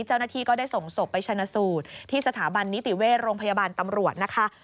เจ้าหน้าที่ก็ได้ส่งศพไปชนะสูตรที่สถาบันนิติเวชโรงพยาบาลตำรวจนะคะ